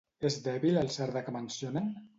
És dèbil el Cerdà que mencionen?